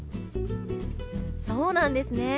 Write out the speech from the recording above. そうなんですね。